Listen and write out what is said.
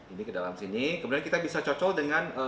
ini ke dalam sini kemudian kita bisa cocok dengan